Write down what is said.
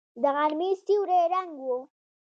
د غرمې سيوری ړنګ و.